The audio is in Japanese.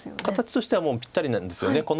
形としてはもうぴったりなんですよね。